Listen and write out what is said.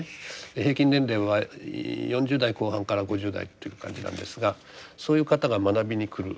平均年齢は４０代後半から５０代という感じなんですがそういう方が学びに来る。